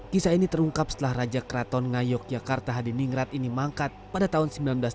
kisah ini terungkap setelah raja kraton ngayok yakarta hadiningrat ini mangkat pada tahun seribu sembilan ratus delapan puluh delapan